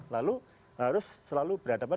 lalu harus selalu berhadapan